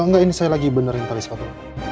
enggak ini saya lagi benerin tali sepatu